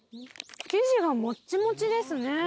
生地がもっちもちですね